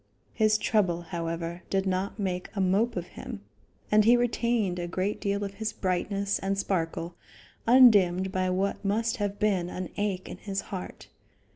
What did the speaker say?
His trouble, however, did not make a mope of him, and he retained a great deal of his brightness and sparkle undimmed by what must have been an ache in his heart.